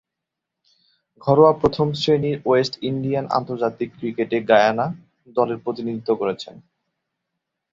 ঘরোয়া প্রথম-শ্রেণীর West Indian আন্তর্জাতিক ক্রিকেটে গায়ানা দলের প্রতিনিধিত্ব করছেন।